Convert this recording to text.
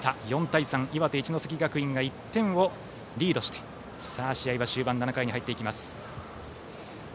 ４対３、岩手・一関学院が１点をリードして試合は終盤、７回に入ります。